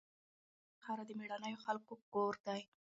د افغانستان خاوره د مېړنیو خلکو کور دی.